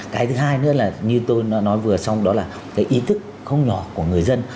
cái thứ hai nữa là như tôi nói vừa xong đó là cái ý thức không nhỏ của người dân